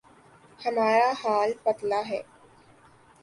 ہمارا حال پتلا ہے۔